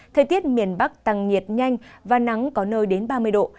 thời tiết miền bắc tăng nhiệt nhanh và nắng có nơi đến ba mươi độ